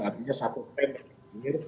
artinya satu teman